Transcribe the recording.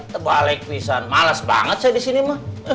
terbalik wisan malas banget saya di sini mah